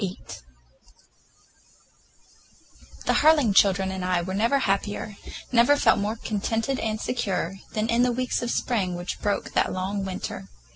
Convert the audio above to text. VIII THE Harling children and I were never happier, never felt more contented and secure, than in the weeks of spring which broke that long winter.